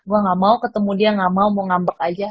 gua gamau ketemu dia gamau mau ngambek aja